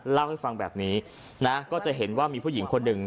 เล่าให้ฟังแบบนี้นะก็จะเห็นว่ามีผู้หญิงคนหนึ่ง